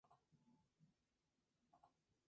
El actor Frank Vincent le da voz.